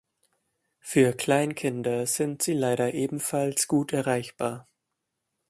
Für Kleinkinder sind sie leider ebenfalls gut erreichbar.